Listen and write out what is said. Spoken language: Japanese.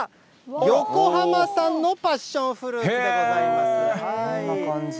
横浜産のパッションフルーツでごこんな感じ。